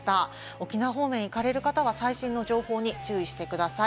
沖縄方面へ行かれる方は最新の情報に注意してください。